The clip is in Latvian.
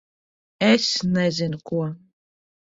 Es nezinu ko...